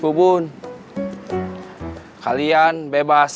bukan karena layak